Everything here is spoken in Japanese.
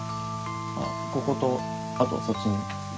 あっこことあとそっちの。